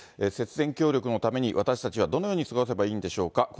節電協力のために、私たちはどのように過ごせばいいんでしょうか。